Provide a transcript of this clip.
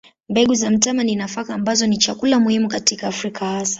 Mbegu za mtama ni nafaka ambazo ni chakula muhimu katika Afrika hasa.